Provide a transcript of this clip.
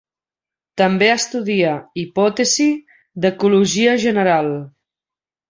També estudia hipòtesi d'ecologia general.